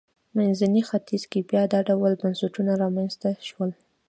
منځني ختیځ کې بیا دا ډول بنسټونه رامنځته شول.